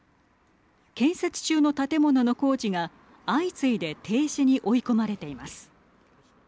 建設中の建物の工事が相次いで停止に追い込まれています。